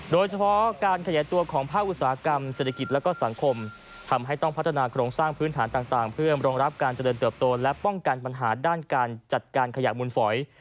โดยเฉพาะการขยายตัวของภาคอุตสาหกรรมเศรษฐกิจและก็สังคมทำให้ต้องพัฒนาโครงสร้างพื้นฐานต่างเพื่อรองรับการเจริญเติบโตและป้องกันปัญหาด้านการจัดการขยะมูลฝอย